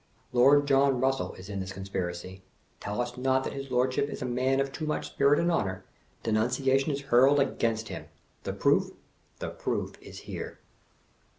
Lord John Eussell is in this conspiracy. Tell us not that his Lordship is a man of too much spirit and honor. Denunciation is hurled against him. The proof? The proof is here.